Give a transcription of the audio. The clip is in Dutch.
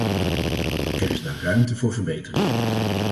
Er is daar ruimte voor verbeteringen.